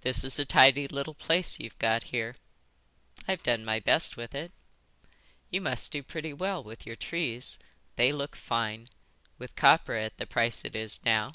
"This is a tidy little place you've got here." "I've done my best with it." "You must do pretty well with your trees. They look fine. With copra at the price it is now.